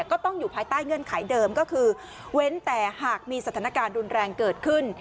ก็ต้องอยู่ภายใต้เงื่อนไขเดิมก็คือเว้นแต่หากมีสถานการณ์รุนแรงเกิดขึ้น